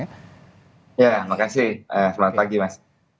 ya terima kasih selamat pagi mas